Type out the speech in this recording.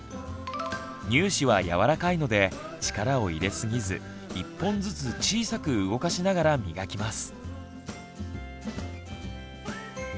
乳歯はやわらかいので力を入れすぎず１本ずつ小さく動かしながら磨きます。